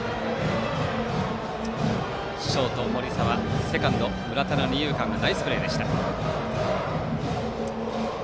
ショート、森澤セカンド、村田のナイスプレーでした。